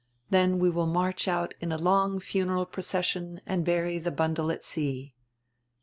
Then we will march out in a long funeral procession and bury the bundle at sea."